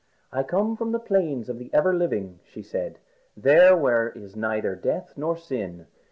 "I come from the Plains of the Ever Living," she said, "there where there is neither death nor sin.